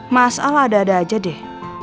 mas al ada ada aja deh